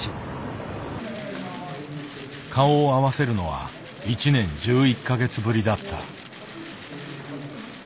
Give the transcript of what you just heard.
顔を合わせるのは１年１１か月ぶりだった。